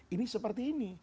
ini seperti ini